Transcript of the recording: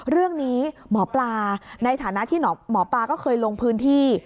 เรื่องนี้หมอปลาในฐานะที่หมอปลาก็เคยลงพื้นที่